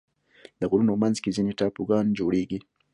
د غرونو منځ کې ځینې ټاپوګان جوړېږي.